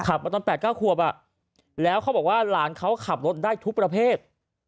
จนตั้งที่เหลือกลับ๗๙ขวบและเขาบอกว่าหลานเขาขับรถได้ทุกประเภท